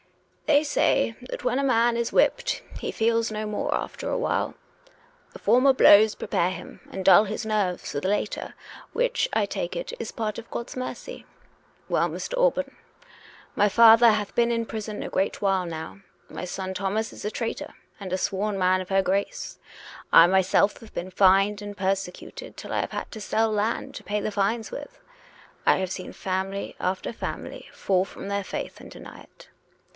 " They say that when a man is whipped he feels no more after awhile. The former blows prepare him and dull his nerves for the later, which, I take it, is part of God's mercy. Well, Mr. Alban, my father hath been in prison a great while now; my son Thomas is a traitor, and a sworn man of her Grace ; I myself have been fined and persecuted till I have had to sell land to pay the fines with. I have seen family after family fall from their faith and deny it.